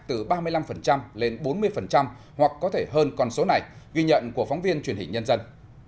từ ba mươi năm lên bốn mươi hoặc có thể hơn con số này ghi nhận của phóng viên truyền hình nhân dân